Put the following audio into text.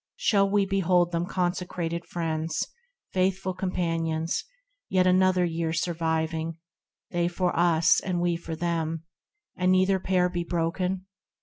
Shall we behold them consecrated friends, Faithful companions, yet another year Surviving, they for us, and we for them, And neither pair be broken